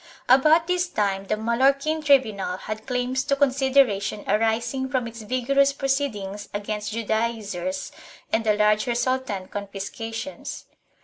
About this time the Mal lorquin tribunal had claims to consideration arising from its vigorous proceedings against Juclaizers and the large resultant confiscations.